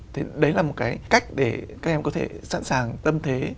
thế đấy là một cái cách để các em có thể sẵn sàng tâm thế